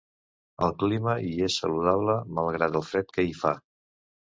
El clima hi és saludable, malgrat el fred que hi fa.